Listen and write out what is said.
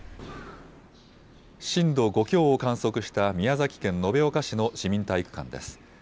震度５強を観測した宮崎県延岡市の市民体育館です。